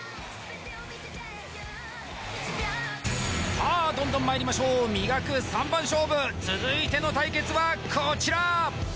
さあどんどんまいりましょう「磨く」三番勝負続いての対決はこちら！